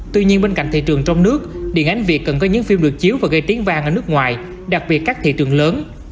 tuy nhiên bên cạnh thị trường trong nước điện ánh việt cần có những phim được chiếu và gây tiếng vang ở nước ngoài đặc biệt các thị trường lớn